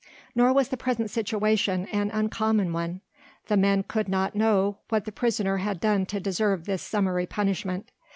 Nor was the present situation an uncommon one: the men could not know what the prisoner had done to deserve this summary punishment.